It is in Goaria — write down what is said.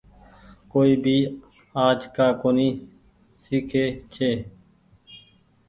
ڪوئي ڀي آج جآ ڪونيٚ سکي ڇي۔